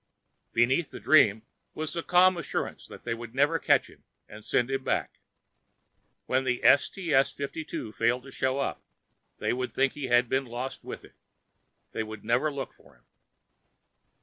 Beneath the dream was the calm assurance that they would never catch him and send him back. When the STS 52 failed to show up, they would think he had been lost with it. They would never look for him.